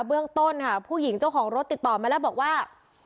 เรื่องต้นค่ะผู้หญิงเจ้าของรถติดต่อมาแล้วบอกว่า